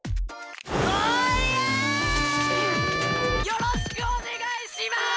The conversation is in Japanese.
「よろしくお願いします！」。